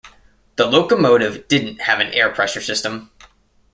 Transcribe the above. The locomotive didn't have an air pressure system.